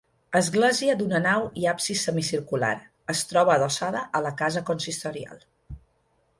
Església d'una nau i absis semicircular, es troba adossada a la casa consistorial.